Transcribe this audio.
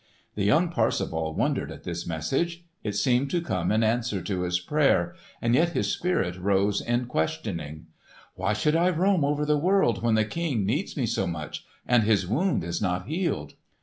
The young Parsifal wondered at this message. It seemed to come in answer to his prayer, and yet his spirit rose in questioning, "Why should I roam over the world when the King needs me so much, and his wound is not healed?"